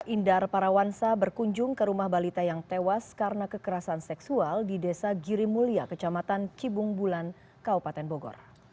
indar parawansa berkunjung ke rumah balita yang tewas karena kekerasan seksual di desa girimulia kecamatan cibung bulan kabupaten bogor